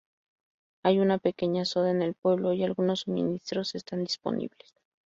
Hay una pequeña soda en el pueblo y algunos suministros están disponibles.